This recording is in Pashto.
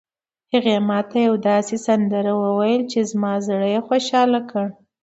هغې ما ته یوه داسې سندره وویله چې زما زړه یې خوشحال کړ